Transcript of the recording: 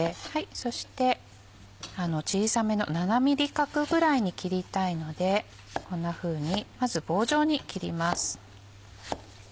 そして小さめの７ｍｍ角ぐらいに切りたいのでこんなふうにまず棒状に切ります。